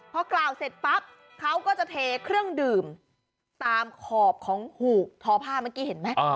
พอกล่าวเสร็จปั๊บเขาก็จะเทเครื่องดื่มตามขอบของหูกทอผ้าเมื่อกี้เห็นไหม